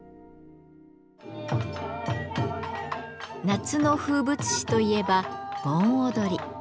夏の風物詩といえば盆踊り。